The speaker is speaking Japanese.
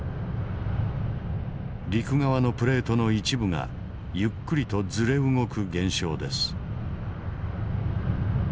陸側のプレートの一部がゆっくりとずれ動く現象です。